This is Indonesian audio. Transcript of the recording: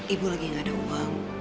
ibu lagi nggak ada uang